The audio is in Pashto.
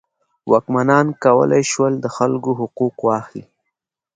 واکمنان کولی شول د خلکو حقوق واخلي.